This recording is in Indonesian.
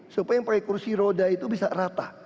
supaya yang pakai kursi roda itu bisa rata